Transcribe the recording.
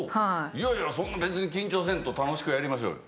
いやいやそんな別に緊張せんと楽しくやりましょうよ。